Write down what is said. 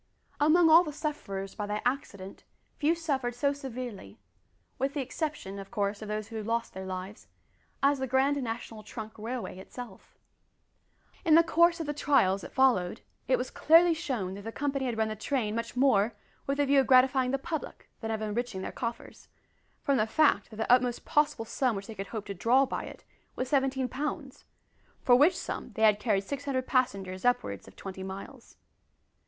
Among all the sufferers by that accident few suffered so severely with the exception: of course, of those who lost their lives as the Grand National Trunk Railway itself. In the course of the trials that followed, it was clearly shown that the company had run the train much more with the view of gratifying the public than of enriching their coffers, from the fact that the utmost possible sum which they could hope to draw by it was 17 pounds, for which sum they had carried 600 passengers upwards of twenty miles.